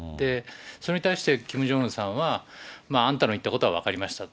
それに対して、キム・ジョンウンさんは、あんたの言ったことは分かりましたと。